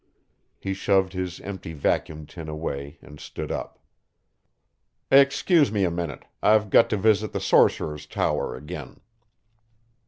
He shoved his empty vacuum tin away and stood up. "Excuse me a minute I've got to visit the sorcerer's tower again."